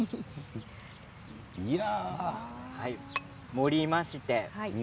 盛りました。